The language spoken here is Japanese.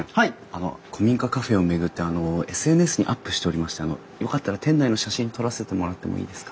あの古民家カフェを巡ってＳＮＳにアップしておりましてよかったら店内の写真撮らせてもらってもいいですか？